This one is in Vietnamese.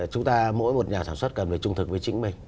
chúng ta mỗi một nhà sản xuất cần phải trung thực với chính mình